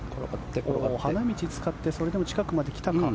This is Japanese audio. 花道を使ってそれでも近くまで来たか？